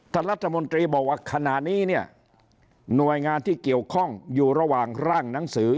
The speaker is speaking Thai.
ท่านรัฐมนตรีบอกว่าขณะนี้เนี่ยหน่วยงานที่เกี่ยวข้องอยู่ระหว่างร่างหนังสือ